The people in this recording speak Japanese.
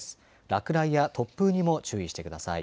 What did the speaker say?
落雷や突風にも注意してください。